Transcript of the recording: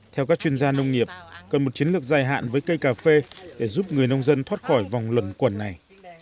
theo các chuyên gia nông nghiệp cần một chiến lược dài hạn với cây cà phê để giúp người nông dân thoát khỏi vòng luẩn quẩn này